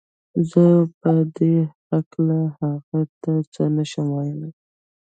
زه په دې هکله هغې ته څه نه شم ويلی